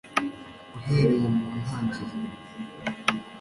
uhereye mu ntangiriro